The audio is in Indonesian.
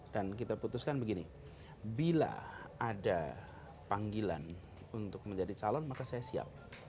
dan kita putuskan begini bila ada panggilan untuk menjadi calon maka saya siap